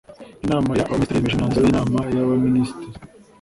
inama y abaminisitiri yemeje imyanzuro y inama y abaminisitiri